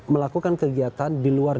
melakukan kegiatan di luar